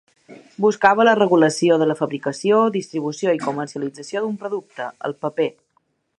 Buscava la regulació de la fabricació, distribució i comercialització d'un producte, el paper.